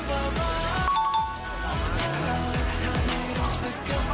สุดท้ายสุดท้าย